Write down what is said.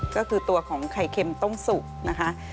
ก็คือตัวของไข่เค็มต้มสุกนะคะ